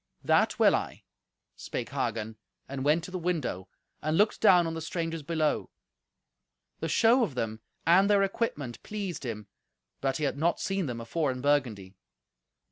"That will I," spake Hagen, and went to the window, and looked down on the strangers below. The show of them and their equipment pleased him, but he had not seen them afore in Burgundy.